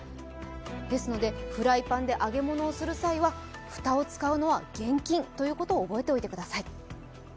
ですので、フライパンで揚げ物をする際には蓋を使うのは厳禁ということを覚えておいてください。